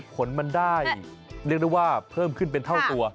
ผลมันได้เรียกได้ว่าเพิ่มขึ้นเป็นเท่าตัว